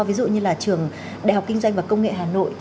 ví dụ như là trường đại học kinh doanh và công nghệ hà nội